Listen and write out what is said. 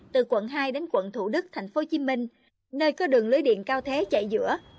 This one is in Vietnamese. từ quận hai đến quận thủ đức tp hcm nơi có đường lưới điện cao thế chạy giữa